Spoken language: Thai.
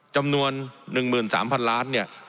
จำนวน๑๓๐๐๐ล้านเนี่ย